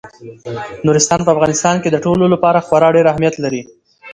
نورستان په افغانستان کې د ټولو لپاره خورا ډېر اهمیت لري.